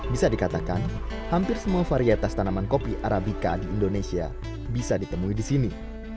bisa dikatakan hampir semua varietas tanaman kopi arabica di indonesia bisa ditemui di sini